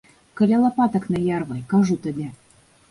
Каля лапатак наярвай, кажу табе!